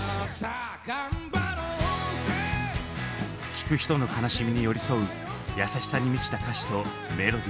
聴く人の悲しみに寄り添う優しさに満ちた歌詞とメロディー。